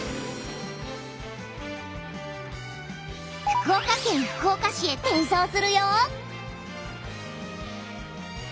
福岡県福岡市へ転送するよ！